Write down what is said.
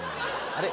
あれ？